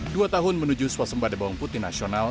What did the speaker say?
dua tahun menuju swasembada bawang putih nasional